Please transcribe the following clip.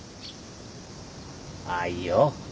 あいよ。